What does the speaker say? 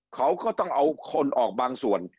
เขาก็ต้องเอาคนออกบางส่วน